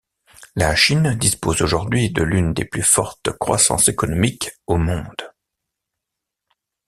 La Chine dispose aujourd'hui de l'une des plus fortes croissances économiques au monde.